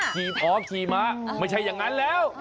ขี่อ๋อขี่ม้าไม่ใช่อย่างนั้นแล้ว